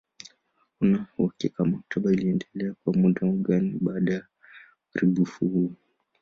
Hakuna uhakika maktaba iliendelea kwa muda gani baada ya uharibifu huo.